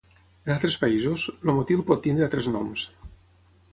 En altres països, Lomotil pot tenir altres noms.